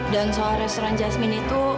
dan soal restoran yasmin itu